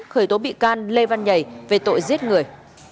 khởi tố bị can lê văn nhầy về tội giết người